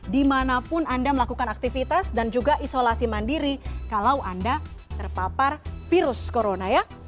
dimanapun anda melakukan aktivitas dan juga isolasi mandiri kalau anda terpapar virus corona ya